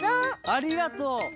ありがとう！